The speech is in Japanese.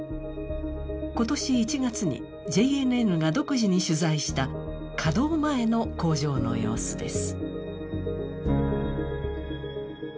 今年１月にＪＮＮが独自に取材した稼働前の工場の様子です。